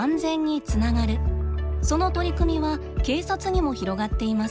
その取り組みは警察にも広がっています。